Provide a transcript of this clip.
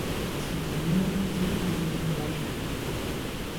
Das Unternehmen siedelte sich in Sarstedt an.